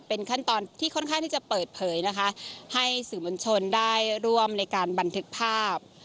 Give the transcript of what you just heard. เป็นขั้นตอนที่ค่อนข้างที่จะเปิดเผยนะคะให้สื่อมวลชนได้ร่วมในการบันทึกภาพ